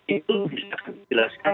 itu bisa kita jelaskan